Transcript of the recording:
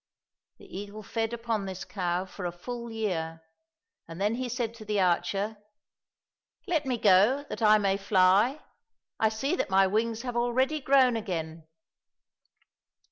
The eagle fed upon this cow for a full year, and then he said to the archer, " Let me go, that I may fly. I see that my wings have already grown again